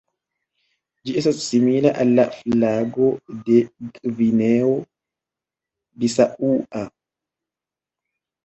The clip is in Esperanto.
Ĝi estas simila al la flago de Gvineo Bisaŭa.